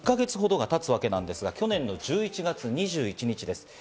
１か月ほど経つわけですが、去年の１１月２１日です。